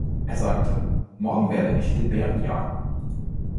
Er sagte: „Morgen werde ich den Bären jagen“.